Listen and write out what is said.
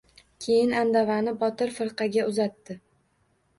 Keyin, andavani Botir firqaga uzatdi.